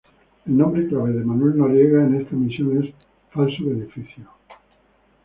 El nombre clave de Manuel Noriega en esta misión es "Falso beneficio".